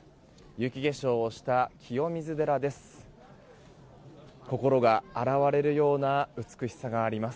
雪化粧をした清水寺です。